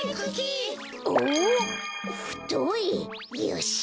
よし。